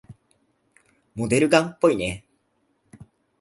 モデルガンっぽいね。